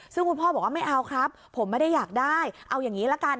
ซึ่งคุณพ่อบอกว่าไม่เอาครับผมไม่ได้อยากได้เอาอย่างนี้ละกัน